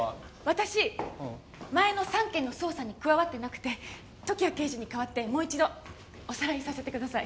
私前の３件の捜査に加わってなくて時矢刑事に代わってもう一度おさらいさせてください。